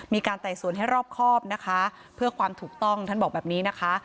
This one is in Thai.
ไต่สวนให้รอบครอบนะคะเพื่อความถูกต้องท่านบอกแบบนี้นะคะ